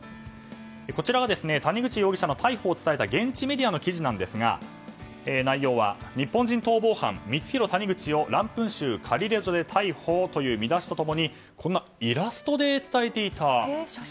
こちらは谷口容疑者の逮捕を伝えた現地メディアの記事ですが内容は日本人逃亡犯ミツヒロ・タニグチをランプン州カリレジョで逮捕という見出しと共にイラストで伝えていた。